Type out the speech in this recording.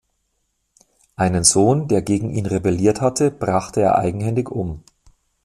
Einen Sohn, der gegen ihn rebelliert hatte, brachte er eigenhändig um.